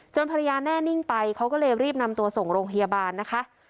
ภรรยาแน่นิ่งไปเขาก็เลยรีบนำตัวส่งโรงพยาบาลนะคะ